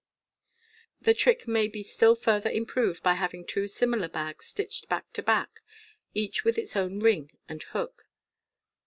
The trick may be still further improved by having two similar bags stitched back to back, each with its own ring and hook.